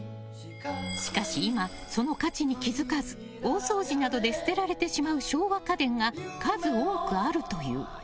しかし今、その価値に気づかず大掃除などで捨てられてしまう昭和家電が数多くあるという。